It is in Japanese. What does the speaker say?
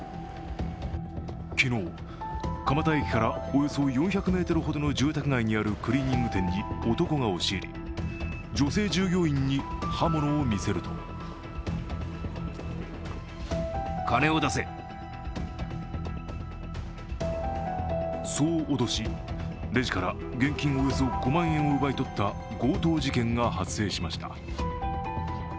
昨日、蒲田駅からおよそ４００ｍほどの住宅街にあるクリーニング店に男が押し入り、女性従業員に刃物を見せるとそう脅し、レジから現金およそ５万円を奪い取った強盗事件が発生しました。